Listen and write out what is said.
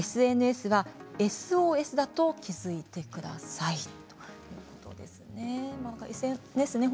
ＳＮＳはＳＯＳだと気付いてくださいということです。